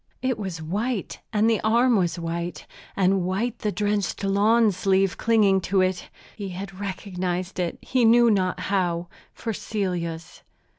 It was white and the arm was white, and white the drenched lawn sleeve clinging to it. He had recognized it, he knew not how, for Celia's.